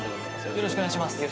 よろしくお願いします。